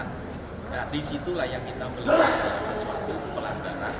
nah disitulah yang kita melihat sesuatu pelanda raja